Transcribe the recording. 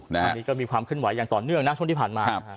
อันนี้ก็มีความเคลื่อนไหวอย่างต่อเนื่องนะช่วงที่ผ่านมา